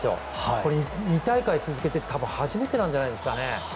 これ２大会続けて、多分初めてなんじゃないですかね。